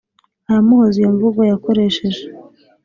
aramuhoza iyo nvugo yakoresheje